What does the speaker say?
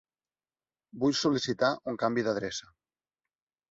Vull sol·licitar un canvi d'adreça.